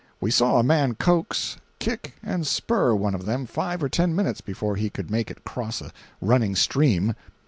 We saw a man coax, kick and spur one of them five or ten minutes before he could make it cross a running stream.